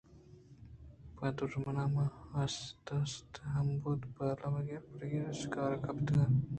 بِہہ دژمن ءَ ہمدست مہ بُو ءُ بال مہ گِر مُزّ گُرکے ءَ شکارے گپتگ اَت